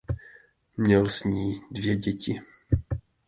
Měl s ní dvě děti.